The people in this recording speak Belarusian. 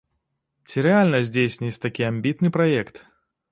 Ці рэальна здзейсніць такі амбітны праект?